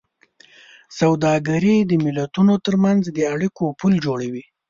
سوداګري د ملتونو ترمنځ د اړیکو پُل جوړوي.